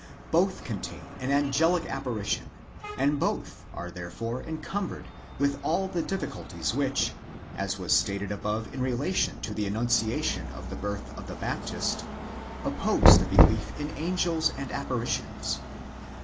Both contain an angelic apparition, and both are therefore encumbered with all the difficulties which, as was stated above in relation to the annunciation of the birth of the Baptist, oppose the belief in angels and apparitions.